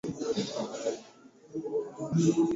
zenye nyasi zinazofaa kwa malisho ya mifugo